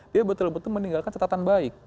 dia betul betul meninggalkan catatan baik